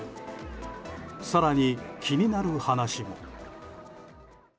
更に、気になる話も。